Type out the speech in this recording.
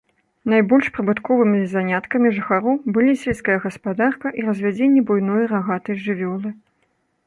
Найбольш прыбытковымі заняткамі жыхароў былі сельская гаспадарка і развядзенне буйной рагатай жывёлы.